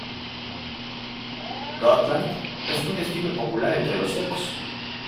Gotland es un destino popular entre los suecos.